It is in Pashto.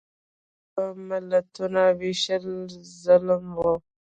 پخوا ملتونو وېشل ظلم و.